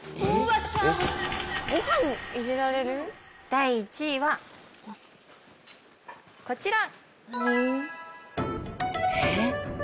第１位はこちら。